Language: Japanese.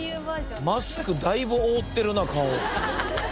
マスクだいぶ覆ってるな顔。